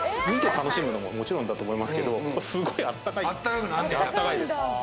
見て楽しむのももちろんだと思いますけど、すごいあったかいんで。